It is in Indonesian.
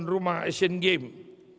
dan rumah asian games